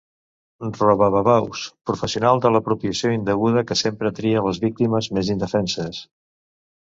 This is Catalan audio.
Robababaus: professional de l'apropiació indeguda que sempre tria les víctimes més indefenses.